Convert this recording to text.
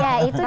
ya itu juga